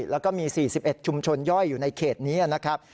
แล้วก็มี๔๑ชุมชนย่อยอยู่ในเขตนี้นะครับ